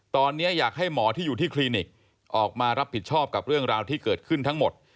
ตอนนี้อยากให้หมอที่อยู่ที่คลินิกออกมารับผิดชอบกับเรื่องราวที่เกิดขึ้นทั้งหมด